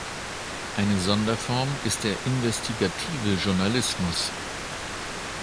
Eine Sonderform ist der investigative Journalismus.